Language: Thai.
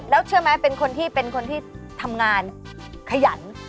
แล้วเชื่อไหมเป็นคนที่เป็นคนที่ทำงานขยัน